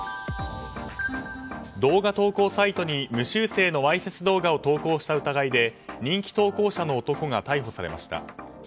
動画投稿サイトに無修正のわいせつ動画を投稿した疑いで人気投稿者の男が逮捕されました。